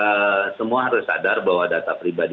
kita semua harus sadar bahwa data pribadi